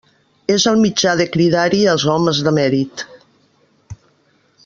És el mitjà de cridar-hi els homes de mèrit.